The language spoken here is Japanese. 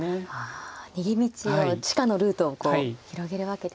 あ逃げ道を地下のルートをこう広げるわけですね。